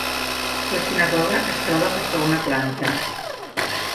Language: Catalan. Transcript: La sinagoga es troba en la segona planta.